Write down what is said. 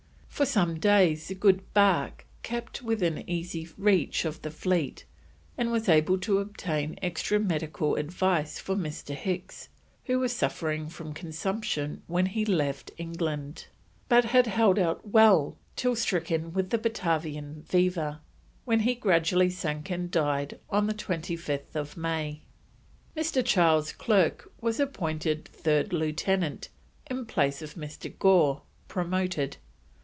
For some days the good Bark kept within easy reach of the fleet, and was able to obtain extra medical advice for Mr. Hicks, who was suffering from consumption when he left England, but had held out well till stricken with the Batavian fever, when he gradually sank and died on 25th May; Mr. Charles Clerke was appointed third lieutenant, in place of Mr. Gore, promoted.